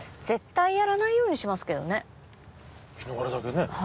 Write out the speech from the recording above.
絶対やらないようにしますけどね。